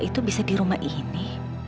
itu bisa di rumah ini